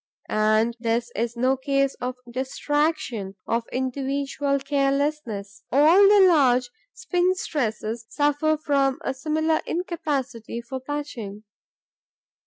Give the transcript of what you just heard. And this is no case of distraction, of individual carelessness; all the large spinstresses suffer from a similar incapacity for patching.